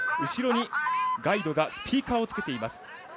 後ろにガイドがスピーカーをつけています。